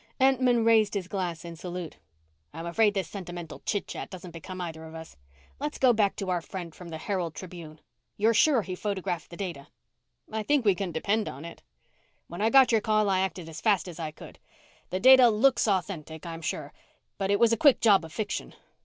Entman raised his glass in salute. "I'm afraid this sentimental chit chat doesn't become either of us. Let's go back to our friend from the Herald Tribune. You're sure he photographed the data?" "I think we can depend on it." "When I got your call, I acted as fast as I could. The data looks authentic, I'm sure, but it was a quick job of fiction.